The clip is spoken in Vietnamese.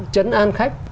chấn an khách